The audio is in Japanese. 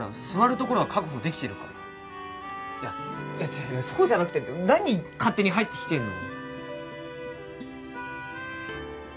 座る所は確保できてるからいや違うそうじゃなくて何勝手に入ってきてんの？